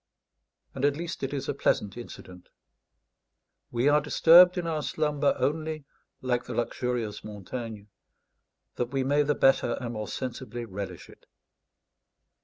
And at least it is a pleasant incident. We are disturbed in our slumber, only, like the luxurious Montaigne, "that we may the better and more sensibly relish it."